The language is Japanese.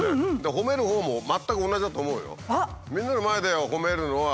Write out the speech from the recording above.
ほめるほうも全く同じだと思うよ。